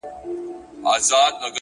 • له جانانه مي ګيله ده,